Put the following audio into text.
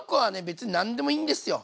別になんでもいいんですよ